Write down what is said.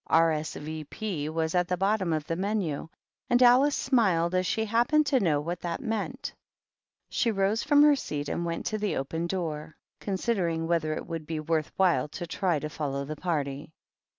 R. S. V. P. was at the bottom of the MenUj and Alice smiled, as she happened to know what that meant. She rose from her seat and went to the open door, considering whether it would be worth while to try to follow the party.